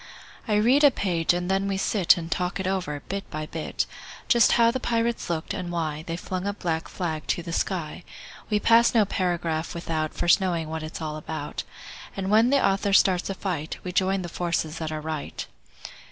I read a page, and then we sit And talk it over, bit by bit; Just how the pirates looked, and why They flung a black flag to the sky. We pass no paragraph without First knowing what it's all about, And when the author starts a fight We join the forces that are right.